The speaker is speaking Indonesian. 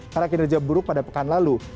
karena kinerja buruk pada pekan lalu